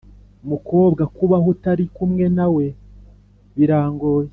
mukobwa, kubaho utari kumwe nawe birangoye